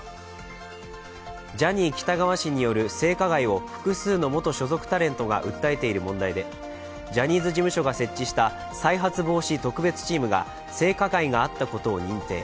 ジャニー喜多川氏による性加害を複数の元所属タレントが訴えている問題でジャニーズ事務所が設置した再発防止特別チームが性加害があったことを認定。